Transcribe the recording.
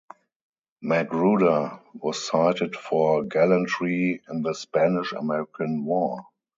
Magruder was cited for gallantry in the Spanish–American War.